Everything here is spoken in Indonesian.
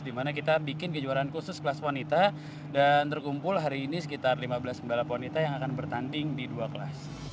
dimana kita bikin kejuaraan khusus kelas wanita dan terkumpul hari ini sekitar lima belas pembalap wanita yang akan bertanding di dua kelas